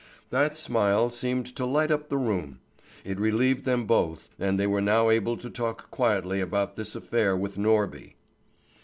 That smile seemed to light up the room. It relieved them both, and they were now able to talk quietly about this affair with Norby.